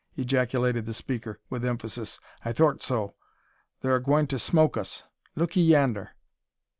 ejaculated the speaker, with emphasis. "I thort so. Thur a gwine to smoke us. Look 'ee yander!"